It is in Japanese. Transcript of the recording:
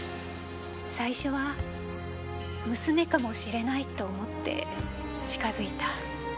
最初は娘かもしれないと思って近づいた。